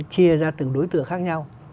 chia ra từng đối tượng khác nhau